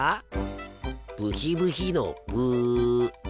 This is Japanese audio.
ブヒブヒのブ。